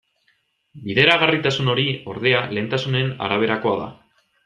Bideragarritasun hori, ordea, lehentasunen araberakoa da.